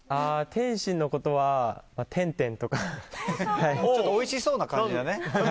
天心のことは、てんてんとか。ちょっとおいしそうな感じだね。